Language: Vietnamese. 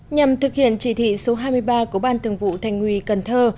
nhằm thực hiện chỉ thị số hai mươi ba của ban thường vụ thành ủy cần thơ